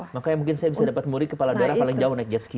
makanya mungkin saya bisa dapat muri kepala daerah paling jauh naik jetski